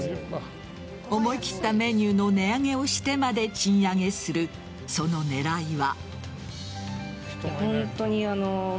思い切ったメニューの値上げをしてまで賃上げするその狙いは。